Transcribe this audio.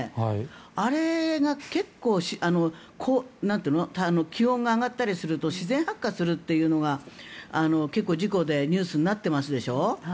あれが結構気温が上がったりすると自然発火するというのが結構、事故でニュースになってますでしょ。